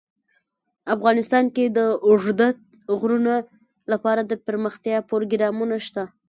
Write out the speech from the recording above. افغانستان کې د اوږده غرونه لپاره دپرمختیا پروګرامونه شته.